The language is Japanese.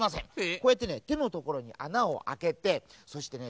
こうやってねてのところにあなをあけてそしてね